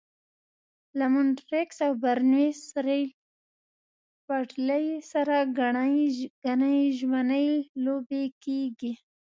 له مونټریکس او برنویس ریل پټلۍ سره ګڼې ژمنۍ لوبې کېږي.